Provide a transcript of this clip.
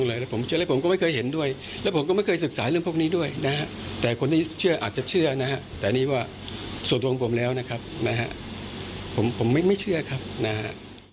อาจจะเชื่อนะครับแต่นี่ว่าส่วนตัวของผมแล้วนะครับนะครับผมไม่เชื่อครับนะครับ